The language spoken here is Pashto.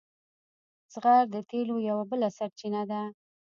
زغر د تیلو یوه بله سرچینه ده.